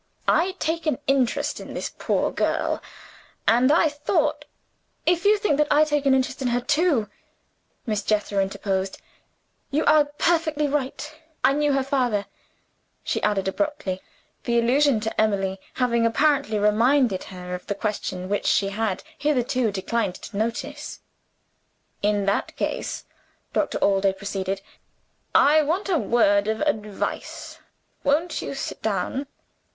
"I take an interest in this poor girl; and I thought " "If you think that I take an interest in her, too," Miss Jethro interposed, "you are perfectly right I knew her father," she added abruptly; the allusion to Emily having apparently reminded her of the question which she had hitherto declined to notice. "In that case," Doctor Allday proceeded, "I want a word of advice. Won't you sit down?"